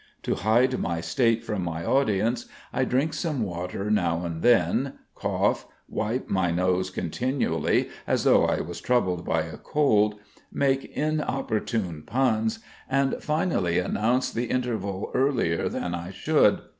To hide my state from my audience I drink some water now and then, cough, wipe my nose continually, as though I was troubled by a cold, make inopportune puns, and finally announce the interval earlier than I should.